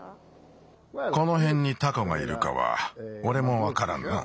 このへんにタコがいるかはおれもわからんな。